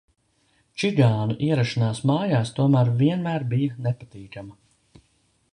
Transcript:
Čigānu ierašanās mājās tomēr vienmēr bija nepatīkama.